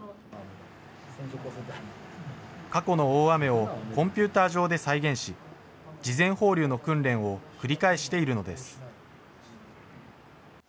過去の大雨をコンピューター上で再現し、事前放流の訓練を繰り返しているのです。